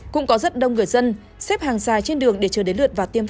cũng có rất đông người dân xếp hàng dài trên đường để chờ đến lịch tiêm